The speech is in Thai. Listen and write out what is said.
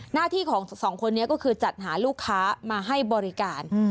หน้าที่ของสองคนนี้ก็คือจัดหาลูกค้ามาให้บริการ